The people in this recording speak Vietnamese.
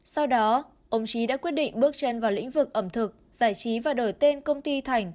sau đó ông trí đã quyết định bước chân vào lĩnh vực ẩm thực giải trí và đổi tên công ty thành